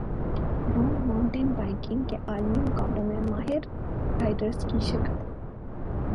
روم mountain biking کے عالمی مقابلوں میں ماہر رائیڈرز کی شرکت